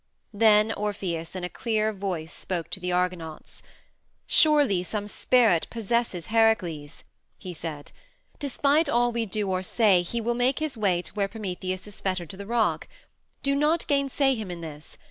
Then Orpheus in a clear voice spoke to the Argonauts. "Surely some spirit possesses Heracles," he said. "Despite all we do or say he will make his way to where Prometheus is fettered to the rock. Do not gainsay him in this!